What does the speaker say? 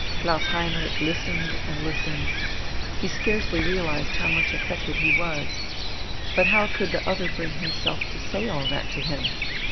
Klaus Heinrich listened and listened. He scarcely realized how much affected he was. But how could the other bring himself to say all that to him?